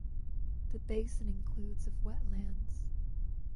The basin includes of wetlands.